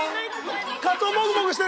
カツオもぐもぐしている。